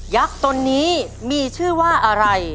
ักษ์ตนนี้มีชื่อว่าอะไร